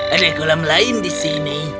ada kolam lain di sini